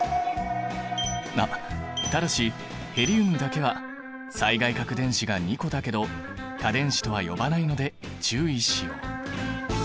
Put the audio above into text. あっただしヘリウムだけは最外殻電子が２個だけど価電子とは呼ばないので注意しよう。